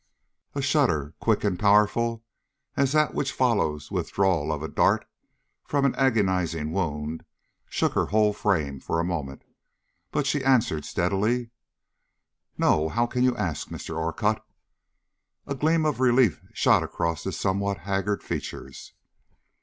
A shudder quick and powerful as that which follows the withdrawal of a dart from an agonizing wound shook her whole frame for a moment, but she answered, steadily: "No; how can you ask, Mr. Orcutt?" A gleam of relief shot across his somewhat haggard features.